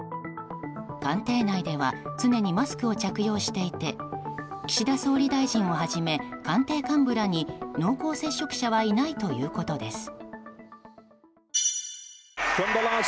官邸内では常にマスクを着用していて岸田総理大臣をはじめ官邸幹部らに濃厚接触者はいないということです。